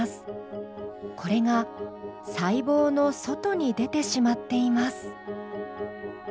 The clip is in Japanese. これが細胞の外に出てしまっています。